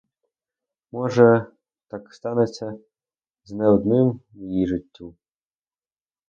Може, так станеться з не одним у її життю.